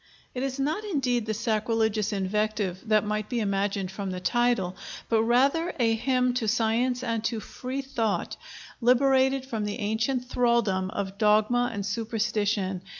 It is not indeed the sacrilegious invective that might be imagined from the title, but rather a hymn to Science and to Free Thought, liberated from the ancient thraldom of dogma and superstition.